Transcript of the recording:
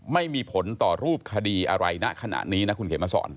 ไม่มีผลต่อรูปคดีอะไรณขณะนี้นะคุณเขียนมาสอน